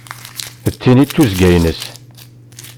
D tin i d tuzzga-ines.